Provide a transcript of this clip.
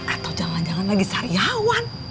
atau jangan jangan lagi sariawan